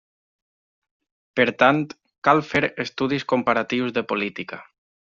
Per tant, cal fer estudis comparatius de política.